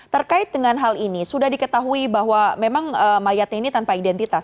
terkait dengan hal ini sudah diketahui bahwa memang mayatnya ini tanpa identitas